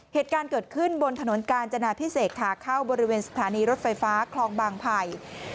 เหตุการณ์เกิดขึ้นบนถนนกาญจนาพิเศษขาเข้าบริเวณสถานีรถไฟฟ้าคลองบางไผ่